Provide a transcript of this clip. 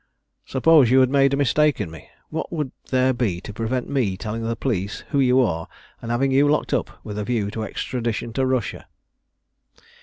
"Suppose you had made a mistake in me. What would there be to prevent me telling the police who you are, and having you locked up with a view to extradition to Russia?"